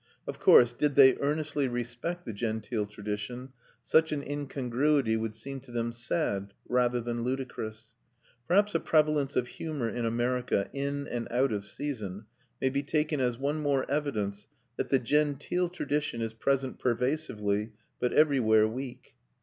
Of course, did they earnestly respect the genteel tradition, such an incongruity would seem to them sad, rather than ludicrous. Perhaps the prevalence of humour in America, in and out of season, may be taken as one more evidence that the genteel tradition is present pervasively, but everywhere weak.